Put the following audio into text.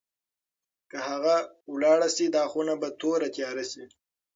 که هغه لاړه شي، دا خونه به توره تیاره شي.